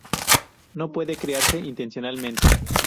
No puede crearse intencionalmente.